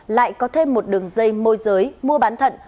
lại có thêm một đường dây môi giới mua bán thận